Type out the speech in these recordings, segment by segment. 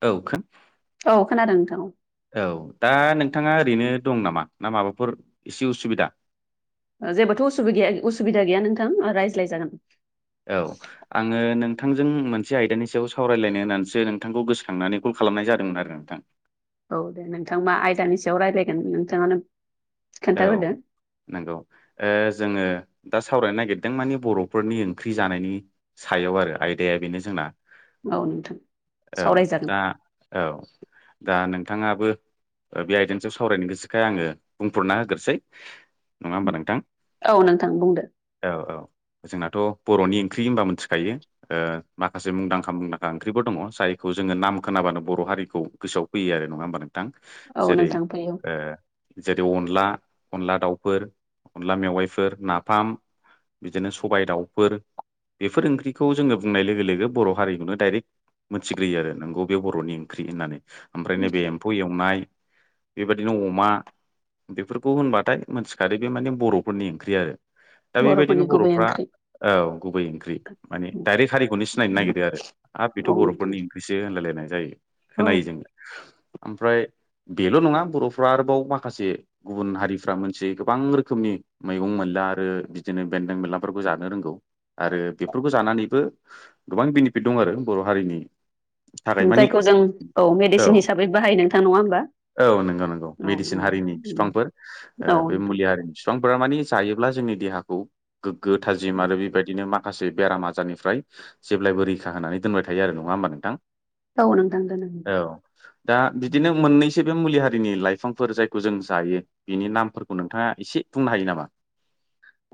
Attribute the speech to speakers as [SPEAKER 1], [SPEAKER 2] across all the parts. [SPEAKER 1] औ
[SPEAKER 2] औ खोनादों नोंथां औ
[SPEAKER 1] औ दा नोंथाङा ओरैनो दं नामा ना माबाफोर एसे उसुबिदा
[SPEAKER 2] ओ जेबोथ' उसुबिदाया उसुबिदा गैया नोंथां रायज्लाय जागोन
[SPEAKER 1] औ आङो नों नोंथांजों मोनसे आयदानि सायाव सावरायलायनो होननानैसो नोंथांखौ गोसोखांनानै कल खालामनाय जादोंमोन आरो नोंथां
[SPEAKER 2] औ दे नोंथां मा आयदानि सायाव रायज्लायगोन नोंथाङानो
[SPEAKER 1] औ
[SPEAKER 2] खोन्थाग्रोदो
[SPEAKER 1] नंगौ ओ जोङो दा सावरायनो नागिरदों माने बर'फोरनि ओंख्रि जानायनि सायाव आरो आयदाया बेनो जोंना
[SPEAKER 2] औ नोंथां
[SPEAKER 1] औ
[SPEAKER 2] सावरायजागोन
[SPEAKER 1] दा औ दा नों थाङाबो बे आयदानि सायाव सावरायनो गोसोखाय आङो बुंफ्रुना होग्रोसै नङा होमबा नोंथां
[SPEAKER 2] औ नोंथां बुंदो
[SPEAKER 1] औ औ जोंनाथ' बर'नि ओंख्रि होनबा मिन्थिखायो ओ माखासे मुंदांखा मुंदांखा ओंख्रिफोर दङ जायखौ जोङो नाम खोना बानो बर' हारिखौ गोसोआव फैयो आरो नङा होमबा नोंथां
[SPEAKER 2] औ
[SPEAKER 1] जेरै
[SPEAKER 2] नोंथां फैयो
[SPEAKER 1] ओ जे अनला अनला दाउफोर अनला मेवाइफोर नाफाम बिदिनो सबाइ दाउफोर बेफोर ओंख्रिखौ जोङो बुंनाय लोगो लोगो बर' हारिखौनो डाइरेक्ट मोनथिग्रोयो आरो नोंगौ बे बर'नि ओंख्रि होननानै ओमफ्राय नैबे एम्फौ एवनाय बेबादिनो अमा बेफोरखौ होनबाथाय मोनथिखादो बे माने बर'फोरनि ओंख्रि आरो दा
[SPEAKER 2] बर'फोरनि
[SPEAKER 1] बेबायदिनो
[SPEAKER 2] गुबै
[SPEAKER 1] बर'फ्रा
[SPEAKER 2] ओंख्रि
[SPEAKER 1] औ गुबै ओंख्रि माने
[SPEAKER 2] औ
[SPEAKER 1] डाइरेक्ट हारिखौनो सिनायनो नागिरो आरो हाब बेथ'
[SPEAKER 2] नोंथां
[SPEAKER 1] बर'फोरनि ओंख्रिसो होनलायलायनाय जायो
[SPEAKER 2] औ
[SPEAKER 1] खोनायो जोङो ओमफ्राय बेल नङा बरफ्रा आरोबाव माखासे गुबुन हारिफ्रा मोनथियै गोबां रोखोमनि मैगं मोनला आरो बिदिनो बेन्दों बेनलाफोरखौ जानो रोंगौ आरो बेफोरखौ जानानैबो गोबां बेनिफिट दं आरो बर'हारिनि
[SPEAKER 2] जायखौ जों औ मेडिसिन हिसाबै बाहायो नोंथां नङा होमबा
[SPEAKER 1] औ नंगौ नंगौ
[SPEAKER 2] औ
[SPEAKER 1] मेडिसिन हारिनि बिफांफोर
[SPEAKER 2] औ
[SPEAKER 1] बे
[SPEAKER 2] नोंथां
[SPEAKER 1] मुलि हारिनि बिफांफोरा माने जायोब्ला जोंनि देहाखौ गोग्गो थाजिम आरो बेबायदिनो मा खायसे बेराम आजारनिफ्राय जेब्लायबो रैखा होनानै दोनबाय थायो आरो नङा होमबा नोंथां?
[SPEAKER 2] औ नोंथां दोन
[SPEAKER 1] औ दा बिदिनो मोननैसो बे मुलि हारिनि लाइफांफोर जायखौ जों जायो बिनि नामफोरखौ नोंथाङा एसे बुंनो हायो नामा?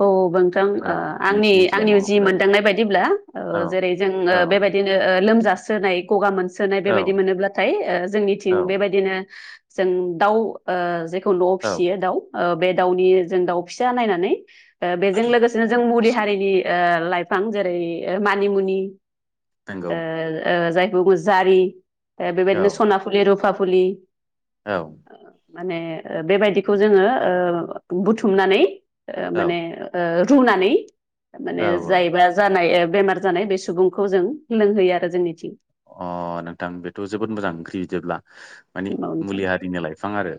[SPEAKER 2] औ नोंथां
[SPEAKER 1] औ
[SPEAKER 2] ओ आंनि
[SPEAKER 1] नोंसिनि ओनसोलाव
[SPEAKER 2] आंनि
[SPEAKER 1] मा
[SPEAKER 2] जि
[SPEAKER 1] माखौ जायो?
[SPEAKER 2] मोनदांनाय बायदिब्ला
[SPEAKER 1] औ
[SPEAKER 2] ओ जेरै जों ओ
[SPEAKER 1] औ
[SPEAKER 2] बेबायदि ओरैनो लोमजास्रोनाय गगा मोनस्रोनाय
[SPEAKER 1] औ
[SPEAKER 2] बेबायदि मोनोब्लाथाय ओ जोंनिथिं
[SPEAKER 1] औ
[SPEAKER 2] बेबायदिनो जों दाउ ओ जेखौ न'आव
[SPEAKER 1] औ
[SPEAKER 2] फिसियो दाउ बे दाउनि जों दाउ फिसा नायनानै ओ बेजों लोगोसेनो जों मुलि हारिनि ओ लाइफां जेरै मानिमुनि
[SPEAKER 1] नंगौ
[SPEAKER 2] ओ ओ जायखौ बुङो जारि
[SPEAKER 1] औ
[SPEAKER 2] बेबायदिनो सना फुलि रुफा फुलि
[SPEAKER 1] औ
[SPEAKER 2] माने बेबायदिखौ जोङो ओ बुथुमनानै ओ
[SPEAKER 1] औ
[SPEAKER 2] माने ओ रुनानै माने
[SPEAKER 1] औ औ
[SPEAKER 2] जायबा जानाय बेमार जानाय बे सुबुंखौ जों लोंहोयो आरो जोंनिथिं
[SPEAKER 1] अह नोंथां बेथ' जोबोद मोजां ओंख्रि बिदिब्ला मानि
[SPEAKER 2] औ नोंथां
[SPEAKER 1] मुलि हारिनि लाइफां आरो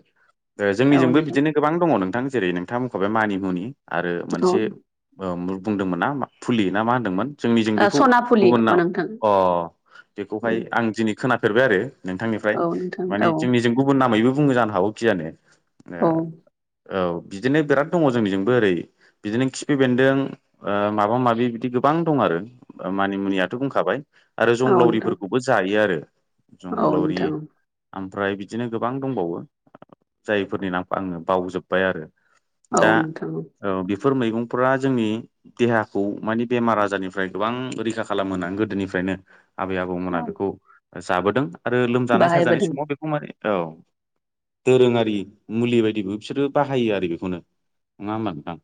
[SPEAKER 2] औ
[SPEAKER 1] जोंनिजोंबो
[SPEAKER 2] नोंथां
[SPEAKER 1] बिदिनो गोबां दङ नोंथां जेरै नोंथांआ बुंखाबाय मानि मुनि आरो
[SPEAKER 2] औ
[SPEAKER 1] मोनसे
[SPEAKER 2] ओ
[SPEAKER 1] ओ बुंदोंमोन ना फुलि ना मा होनदोंमोन जोंनि जों बेखौ
[SPEAKER 2] सना फुलि
[SPEAKER 1] गुबुन
[SPEAKER 2] औ
[SPEAKER 1] नाम
[SPEAKER 2] नोंथां
[SPEAKER 1] अह बेखौहाय आं दिनै खोनाफेरबाय आरो नोंथांनिफ्राय
[SPEAKER 2] औ नोंथां
[SPEAKER 1] मानि
[SPEAKER 2] औ
[SPEAKER 1] जोंनिजों गुबुन नामैबो बुङो जानो हागौ खिजाने
[SPEAKER 2] औ
[SPEAKER 1] औ बिदिनो बिराद दङ जोंनिजोंबो ओरै बिदिनो खिफि बेन्दों आ माबा माबि बिदि गोबां दं आरो मानि मुनियाथ' बुंखाबाय आरो
[SPEAKER 2] औ नोंथां
[SPEAKER 1] जंग्लावरिफोरखौबो जायो आरो
[SPEAKER 2] औ
[SPEAKER 1] जंग्लावरि
[SPEAKER 2] नोंथां।
[SPEAKER 1] ओमफ्राय बिदिनो गोबां दंबावो जायफोरनि नाम आङो बावजोब्बाय आरो
[SPEAKER 2] औ
[SPEAKER 1] दा
[SPEAKER 2] नोंथां औ।
[SPEAKER 1] बेफोर मैगंफोरा जोंनि देहाखौ मानि बेमार आजारनिफ्राय गोबां रैखा खालामो होनना गोदोनिफ्राय आबै आबौमोना बेखौ जाबोदों आरो लोमजानाय साजानाय
[SPEAKER 2] बाहायबोदों
[SPEAKER 1] समाव बेखौ माने औ। दोरोङारि मुलि बायदिबो बिसोरो बाहायो आरो बेखौनो नङा होमबा नोंथां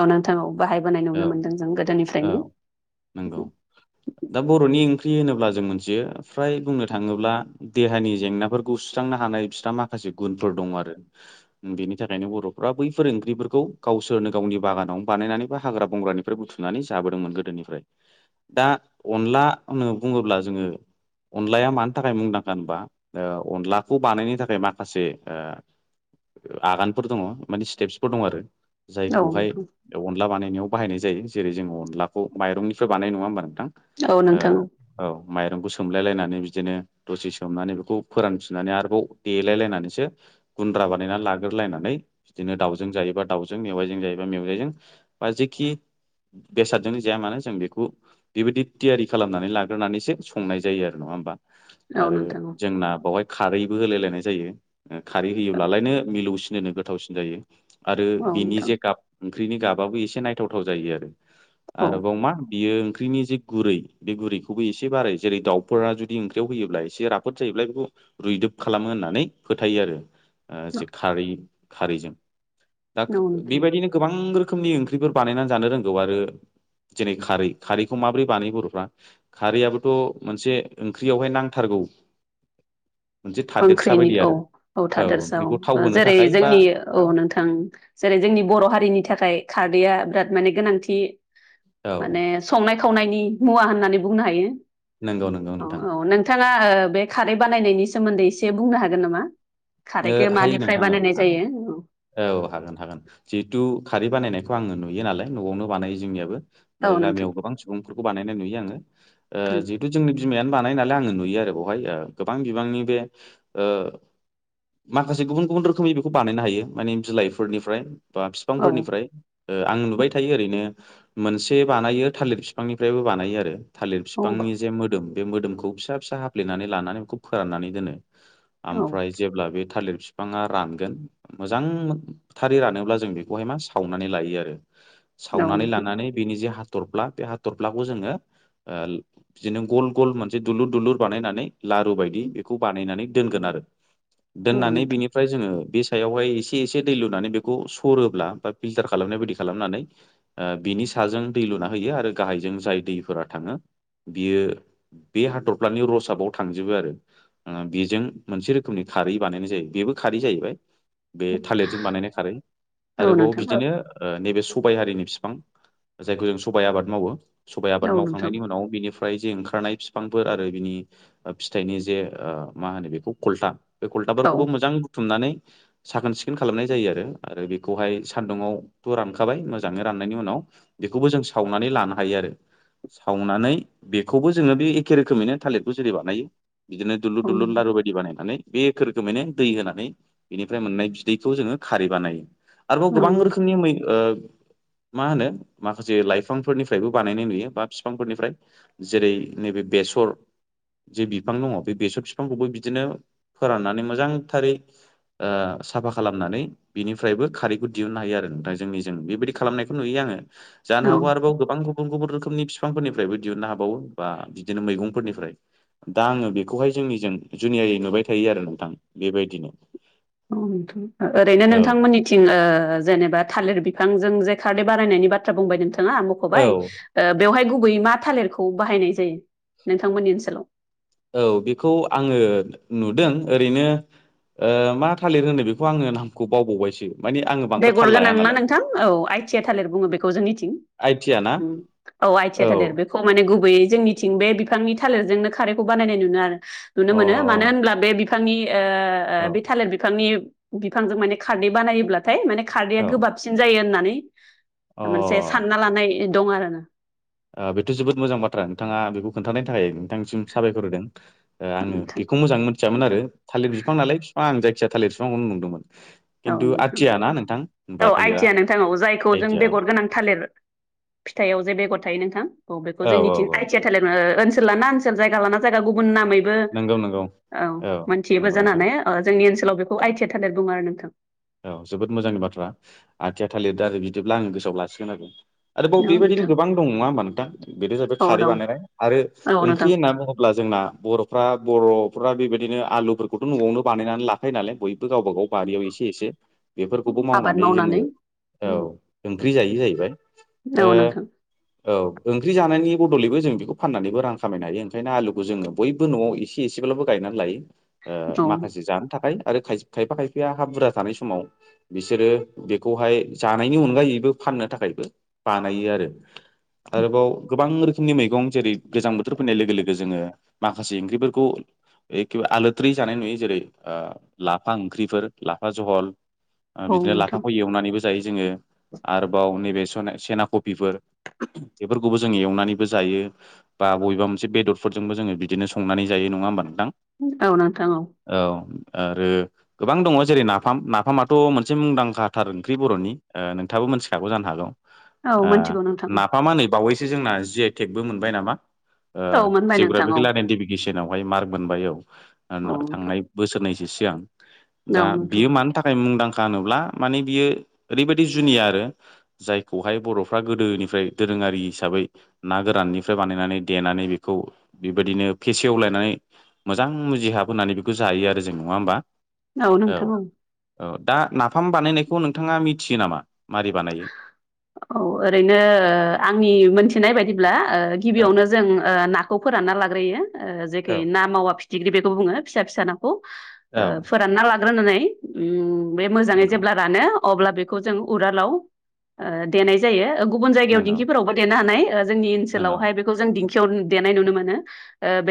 [SPEAKER 2] औ नोंथां औ बाहायबोनाय नुनो
[SPEAKER 1] औ
[SPEAKER 2] मोनदों जों
[SPEAKER 1] औ
[SPEAKER 2] गोदोनिफ्रायनो
[SPEAKER 1] नंगौ दा बर'नि ओंख्रि होनोब्ला जों मोनथियो फ्राय बुंनो थाङोब्ला देहानि जेंनाफोरखौ सुस्रांनो हानाय बिस्रा माखासे गुनफोर दं आरो बेनि थाखायनो बरफ्रा बैफोर ओंख्रिफोरखौ गावसोरनो गावनि बागानाव बानायनानै बा हाग्रा बंग्रानिफ्राय बुथुमनानै जाबोदोंमोन गोदोनिफ्राय दा अनला बुङोब्ला जोङो अनलाया मानि थाखाय मुंदांखा होनबा ओ अनलाखौ बानायनो थाखाय माखासे ओ आगानफोर दङ माने स्टेपसफोर दङ आरो जायखौहाय अनला बानायनायाव बाहायनाय जायो जेरै जों अनलाखौ माइरंनिफ्राय बानाय नङा होनबा नोंथां
[SPEAKER 2] औ नोंथां
[SPEAKER 1] ओ औ माइरंखौ सोमलायलायनानै बिदिनो दसे सोमनानै बेखौ फोरानफिननानै आरोबाव देलाय लायनानैसो गुन्द्रा बानायनानै ला गोरलायनानै बिदिनो दाउजों जायोबा दाउजों मेवाइजों जायोबा मेवायजों बा जेखि बेसादजोंनो जाया मानो जों बेखौ बेबायदि थियारि खालामनानै लाग्रोनानैसो संनाय जायो आरो नङा होमबा?
[SPEAKER 2] औ नोंथां औ
[SPEAKER 1] आरो
[SPEAKER 2] नोंथां औ
[SPEAKER 1] जोंना बेवहाय खारैबो होलाय लायनाय जायो। खारै होयोब्लालायनो मिलौसिन होनो गोथावसिन जायो आरो
[SPEAKER 2] औ
[SPEAKER 1] बिनि
[SPEAKER 2] नोंथां
[SPEAKER 1] जे गाब ओंख्रिनि गाबाबो एसे नायथावथाव जायो आरो
[SPEAKER 2] औ
[SPEAKER 1] आरोबाव मा बियो ओंख्रिनि जि गुरै बे गुरैखौबो एसे बाराय जेरै दाउफोरा जुदि ओंख्रियाव होयोब्ला एसे राफोद जायोब्ला बेखौ रुइदों खालामो होननानै फोथायो आरो। ओ
[SPEAKER 2] औ
[SPEAKER 1] खारै खारैजों दा
[SPEAKER 2] नोंथां
[SPEAKER 1] बेबायदिनो गोबां रो खोमनि ओंख्रिफोर बानानै जानो रोंगौ आरो जेरै खारै खारैखौ माब्रै बानायो बर'फ्रा, खारै आथ' मोन ओंख्रियावहाय नांथारगौ? मोनसे थादेरसा
[SPEAKER 2] ओंख्रिनि
[SPEAKER 1] बायदि
[SPEAKER 2] औ
[SPEAKER 1] आरो
[SPEAKER 2] औ थादेरसा
[SPEAKER 1] ओंख्रिखौ थाव
[SPEAKER 2] औ
[SPEAKER 1] होनो
[SPEAKER 2] जेरै
[SPEAKER 1] थाखाय बा
[SPEAKER 2] जोंनि औ नोंथां जेरै जों जोंनि बर' हारिनि थाखाय खारदैआ बिराद माने गोनांथि
[SPEAKER 1] औ
[SPEAKER 2] माने संनाय खावनायनि मुवा होननानै बुंनो हायो।
[SPEAKER 1] नंगौ नंगौ
[SPEAKER 2] औ
[SPEAKER 1] नोंथां
[SPEAKER 2] औ नोंथाङा ओ बे खारै बानायनायनि सोमोन्दै एसे बुंनो हागोन नामा?
[SPEAKER 1] ओ
[SPEAKER 2] खारैखौ
[SPEAKER 1] हायो
[SPEAKER 2] मानिफ्राय
[SPEAKER 1] नोंथां औ
[SPEAKER 2] बानायनाय
[SPEAKER 1] हागोन
[SPEAKER 2] जायो
[SPEAKER 1] औ हागोन हागोन जिहेतु खारै बानायनायखौ आङो नुयो नालाय न'आवनो बानायो जोंनियाबो।
[SPEAKER 2] औ
[SPEAKER 1] ओमफाय
[SPEAKER 2] नोंथां
[SPEAKER 1] गामियाव गोबां सुबुंफोरखौ बानायनाय नुयो आङो। ओ
[SPEAKER 2] उम
[SPEAKER 1] जिहेतु जोंनि बि मायनो बानाय नालाय आङो नुयो आरो बेहाय गोबां बिबांनि बे ओ माखासे गुबुन गुबुन रोखोमनि बेखौ बानायनो हायो माने बिलाइफोरनिफ्राय बा
[SPEAKER 2] औ
[SPEAKER 1] बिफांफोरनिफ्राय ओ आं नुबाय थायो ओरैनो मोनसे बानायो थालिर बिफांनिफ्रायबो बानायो आरो थालिर
[SPEAKER 2] औ
[SPEAKER 1] बिफांनि जे मोदोम बे मोदोमखौ फिसा फिसा हाफ्लेनानै लानानै बेखौ फोराननानै दोनो।
[SPEAKER 2] औ
[SPEAKER 1] ओमफ्राय अब्ला बे थालिर बिफाङा रानगोन मोजांथारै रानोब्ला जों बेखौहाय मा सावनानै लायो आरो।
[SPEAKER 2] औ
[SPEAKER 1] सावनानै
[SPEAKER 2] नोंथां
[SPEAKER 1] लानानै बेनि जे हा हाथर्ला बे हाथर्लाखौ जोङो ओ बिदिनो गल गल मोनसे दुलुर दुलुर बानायनानै लारु बायदि बेखौ बानायनानै दोनगोन आरो।
[SPEAKER 2] औ
[SPEAKER 1] दोननानै
[SPEAKER 2] नोंथां
[SPEAKER 1] बिनिफ्राय जोङो बे सायावहाय एसे एसे दै लुनानै बेखौ सरोब्ला बा फिलटार खालामनाय बदि खालामनानै ओ बिनि साजों दै लुना होयो आरो गाहायजों जाय दैफोरा थाङो बियो बे हाथरफ्लानि रसाबाव थांजोबो आरो बेजों मोनसे रोखोमनि खारै बानायनाय जायो, बेबो खारै जाहैबाय। बे थालिरिरजों बानायनाय खारै
[SPEAKER 2] औ
[SPEAKER 1] आरोबाव
[SPEAKER 2] नोंथां
[SPEAKER 1] बिदिनो ओ नैबे सबाय हारिनि बिफां जायखौ जों सबाय आबाद मावो सबाय आबाद
[SPEAKER 2] औ नोंथां
[SPEAKER 1] मावखांनायनि उनाव बिनि फ्राय जे ओंखारनाय बिफांफोर आरो बिनि ओ फिथाइनि जे ओ मा होनो बेखौ खलथा। बे
[SPEAKER 2] औ
[SPEAKER 1] खलथाफोरखौबो मोजां बुथुमनानै साखोन सिखोन खालामनाय जायो आरो आरो बेखौहाय सान्दुंआवथ' रानखाबाय मोजाङै राननायनि उनाव बेखौबो जों सावनानै लानो हायो आरो। सावनानै बेखौबो जोङो बे एखे रोखोमैनो थालिरखौ जेरै बानायो बिदिनो दुलुर
[SPEAKER 2] औ
[SPEAKER 1] दुरलुन लारु बायदि बानायनानै बे एख रोखोमैनो दै होनानै बेनिफ्राय मोननाय बिदैखौ जोङो खारै बानायो। आरोबाव
[SPEAKER 2] औ
[SPEAKER 1] गोबां
[SPEAKER 2] नोंथां
[SPEAKER 1] रोखोमनि मै ओ मा होनो माखासे लाइफांफोरनिफ्रायबो बानायनाय नुयो बा बिफांफोरनिफ्राय। जेरै नैबे बे सर जि बिफां दङ बे बेसर बिफांखौबो बिदिनो फोराननानै मोजांथारै ओ साफा खालामनानै बिनिफ्रायबो खारैखौ दिहुननो हायो आरो नोंथां जोंनि जों बेबायदि खालामनायखौ नुयो आङो। जानो
[SPEAKER 2] औ
[SPEAKER 1] हागौ आरोबाव गोबां गुबुन गुबुन रोखोमनि बिफांफोरनिफ्रायबो दिहुननो हाबावो बा बिदिनो मैगंफोरनिफ्राय। दा आङो बेखौहाय जोंनिजों जुनियायै नुबाय थायो आरो नोंथां बेबायदिनो।
[SPEAKER 2] औ नोंथां। ओरैनो
[SPEAKER 1] औ
[SPEAKER 2] नोंथांमोननिथिं ओ जेनोबा थालिर बिफांजों जे खारै बारनायनि बाथ्रा बुंबाय नोंथाङा
[SPEAKER 1] औ
[SPEAKER 2] मख'बाय ओ बेवहाय गु बै मा थालिरखौ बाहायनाय जायो नोंथांमोननि ओनसोलाव?
[SPEAKER 1] औ बेखौ आङो नुदों ओरैनो ओ मा थालिर होनो बेखौ आङो नामखौ बावबावबायसो। माने आङो बांद्राय थाल
[SPEAKER 2] बेगर
[SPEAKER 1] लाया
[SPEAKER 2] गोनां ना
[SPEAKER 1] नालाय
[SPEAKER 2] नोंथां औ आइ थि आ थालिर बुङो बेखौ जोंनिथिं।
[SPEAKER 1] आइटिया ना
[SPEAKER 2] औ आइथिया थालिर बेखौ माने गुबैयै जोंनिथिं बे बिफांनि थालेरजोंनो खारैखौ बानायनाय नुनो आरो नुनो
[SPEAKER 1] अ औ
[SPEAKER 2] मोनो मानो होनब्ला बे बिफांनि बे थालिर बिफांनि बिफांजों माने खारदै बानायोब्लाथाय माने खारदैया
[SPEAKER 1] औ
[SPEAKER 2] गोबाबसिन जायो होननानै
[SPEAKER 1] अ ओ
[SPEAKER 2] मोनसे सानना लानाय दं आरो ना।
[SPEAKER 1] बेथ' जोबोद मोजां बाथ्रा नोंथाङा बेखौ खोन्थायनि थाखाय नोंथांनिसिम साबायखर होदों। आङो
[SPEAKER 2] नोंथां
[SPEAKER 1] बेखौ मोजाङै मिथियामोन आरो थालिर बिफां नालाय बिफां आं जायखिया थालिर बिफांखौनो नंदों।
[SPEAKER 2] औ नोंथां
[SPEAKER 1] होमबा
[SPEAKER 2] औ
[SPEAKER 1] थालिरा
[SPEAKER 2] आइटिया नोंथां औ जायखौ जों
[SPEAKER 1] आइटिया औ
[SPEAKER 2] बेगर गोनां थालिर फिथाइयाव जे बेगर थायो नोंथां औ बे
[SPEAKER 1] औ
[SPEAKER 2] जोंनिथिं
[SPEAKER 1] औ
[SPEAKER 2] आइटिया थालिर ओनसोल लाना ओनसोल जायगा लाना जायगा गुबुन नाम ओइ
[SPEAKER 1] नंगौ नंगौ औ
[SPEAKER 2] मोनथियोबो
[SPEAKER 1] नंगौ नोंथां
[SPEAKER 2] जानानै जोंनि ओनसोलाव बेखौ आइ टि आ थालिर बुङो आरो नोंथां
[SPEAKER 1] औ जोबोद मोजांनि बाथ्रा आथिया थालिर दा आरो बिदिब्ला आं गोसोआव लासिगोन आरो आरोबाव
[SPEAKER 2] औ
[SPEAKER 1] बेबायदिनो
[SPEAKER 2] नोंथां
[SPEAKER 1] गोबां दं नङा होमा नोंथां बेनो जाहैबाय
[SPEAKER 2] औ
[SPEAKER 1] खारै
[SPEAKER 2] दं
[SPEAKER 1] बानायनाय आरो
[SPEAKER 2] औ नोंथां
[SPEAKER 1] ओंख्रि होनना बुङोब्ला जों बर'फ्रा बर' बेबायदिनो आलुफोरखौथ' न'आवनो बानायनानै लाखायो नालाय बयबो गावबागाव बारियाव एसे एसे बेफोरखौबो मावनानै जोङो औ ओंख्रि जायो जाहैबाय
[SPEAKER 2] औ
[SPEAKER 1] ओ
[SPEAKER 2] नोंथां
[SPEAKER 1] औ ओंख्रि जानायनि बदलैबो जों बेखौ फाननानैबो रां खामायनो हायो ओंखायनो आलुखौ जोङो बयबो न'आव इसे एसे गायनानै लायो
[SPEAKER 2] औ
[SPEAKER 1] माखासे जानो थाखाय आरो खायफा खायफाया हा बुरजा थानाय समाव बिसोरो बेखौहाय जानायनि अनगायैबो फाननो थाखायबो बानायो आरो आरोबाव गोबां रो खोमनि मैगं जेरै गोजां बोथोर फैनाय लोगो लोगो जोङो माखासे ओंख्रिफोरखौ एखेबा आलोद्रि जानाय नुयो जेरै लाफा ओंख्रिफोर ला लाफा जहल
[SPEAKER 2] औ
[SPEAKER 1] बिदिनो
[SPEAKER 2] नोंथां
[SPEAKER 1] लाफाखौ एवनानैबो जायो जोङो। आरोबाव नैबे सेनाकपिफोर बेफोरखौबो जोंङो एवनानैबो जायो बा बबेबा मोनसे बेदरफोरजोंबो जोङो बिदिनो संनानै जायो। नङा होमबा नोंथां
[SPEAKER 2] औ नोंथां
[SPEAKER 1] औ आरो गोबां दं। जेरै नाफाम नाफामाथ' मोनसे मुंदांखाथार ओंख्रि बर'नि नोंथाबो मोनथिखागौ जानो हागौ।
[SPEAKER 2] औ मोनथिगौ नोंथां
[SPEAKER 1] नाफामा नै बावैसो जोंना जि आइ टेक बो मोनबाय नामा
[SPEAKER 2] औ मोनबाय नोंथां औ
[SPEAKER 1] जिउग्राफिकेल आइदेनटिफिकेसन आवहाय मार्क मोनबाय औ
[SPEAKER 2] औ नोंथां
[SPEAKER 1] थांनाय बोसोरनैसो सिगां दा
[SPEAKER 2] औ नोंथां
[SPEAKER 1] बियो मानि थाखाय मुंदांखा होनोब्ला माने बियो ओरैबायदि जुनिया आरो जायखौहाय बर'फ्रा गोदोनिफ्राय गोरों हिसाबै ना गोराननिफ्राय बानायनानै देनानै बेखौ बेबायदिनो फेसेवलायनानै मोजां जि हाबोनानै बेखौ जायो आरो जों नङा होमबा?
[SPEAKER 2] औ नोंथां औ
[SPEAKER 1] औ दा नाफाम बानायनायखौ नोंथाङा मिथियो नामा मारै बानायो?
[SPEAKER 2] औ ओरैनो आंनि मोनथिनाय बायदिब्ला गिबियावनो
[SPEAKER 1] औ
[SPEAKER 2] जों नाखौ फोरानना लाग्रोयो जेखे
[SPEAKER 1] औ
[SPEAKER 2] ना मावा फि थिग्रि बेखौ बुङो फिसा फिसा नाखौ फोरानना लाग्रोनानै बे मोजाङै
[SPEAKER 1] नंगौ
[SPEAKER 2] जेब्ला रानो अब्ला बेखौ जों उरालाव देनाय जायो। गुबुन जायगायाव
[SPEAKER 1] नंगौ
[SPEAKER 2] दिंखिफोरावबो देनो हानाय जोंनि
[SPEAKER 1] नंगौ
[SPEAKER 2] ओनसोलावहाय बेखौ जों दिंखियाव देनाय नुनो मोनो।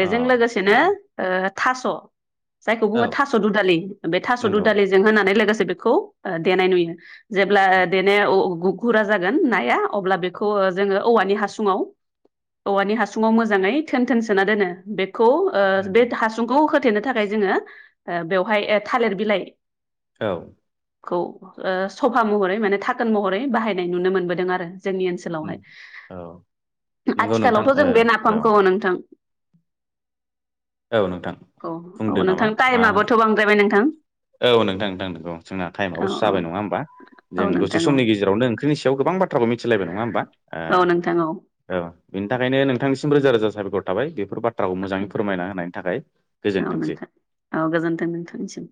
[SPEAKER 1] अ
[SPEAKER 2] लोगोसेनो
[SPEAKER 1] नंगौ
[SPEAKER 2] थास' जायखौ
[SPEAKER 1] औ
[SPEAKER 2] बुङो थास' दुदालि बे थास'
[SPEAKER 1] नंगौ
[SPEAKER 2] दुदालिजों होनानै लोगोसे बेखौ देनाय नुयो। जेब्ला देनो गुरा जागोन नाया अब्ला बेखौ जोङो औवानि हासुंआव औवानि हासुंआव मोजाङै थोन थोन सोना दोनो बे खौ
[SPEAKER 1] नंगौ
[SPEAKER 2] हासुंखौ होथेनो थाखाय जोङो बेवहाय थालिर बिलाइ
[SPEAKER 1] औ
[SPEAKER 2] खौ ओ सफा महरै माने थाखोन महरै बाहायनाय नुनो मोनबोदों आरो जोंनि ओनसोलावहाय
[SPEAKER 1] औ नंगौ नोंथां
[SPEAKER 2] आथिखालावथ जों
[SPEAKER 1] ओ
[SPEAKER 2] बे
[SPEAKER 1] औ
[SPEAKER 2] नाफामखौ नोंथां
[SPEAKER 1] औ नोंथां
[SPEAKER 2] औ औ
[SPEAKER 1] बुंदो
[SPEAKER 2] नोंथां
[SPEAKER 1] नामा मा होनो।
[SPEAKER 2] टाइमाबोथ' बांद्रायबाय नोंथां
[SPEAKER 1] औ नोंथां नोंथां नंगौ औ जोंना
[SPEAKER 2] औ
[SPEAKER 1] टाइमाबो
[SPEAKER 2] औ
[SPEAKER 1] जाबाय नङा होमबा
[SPEAKER 2] औ
[SPEAKER 1] जों
[SPEAKER 2] नोंथां
[SPEAKER 1] दसे
[SPEAKER 2] औ
[SPEAKER 1] समनि गेजेराव नो ओंख्रिनिसायाव गोबां बाथ्राखौ मिथिलायबाय नङा होनबा ओ
[SPEAKER 2] औ नोंथां
[SPEAKER 1] औ बेनि थाखायनो नोंथांनिसिम रोजा रोजा साबायखर थाबाय बेफोर बाथ्राखौ मोजाङै फोरमायना होनायनि थाखाय
[SPEAKER 2] औ
[SPEAKER 1] गोजोनथोंसै।
[SPEAKER 2] नोंथां औ गोजोन्थों नोंथांनिसिम।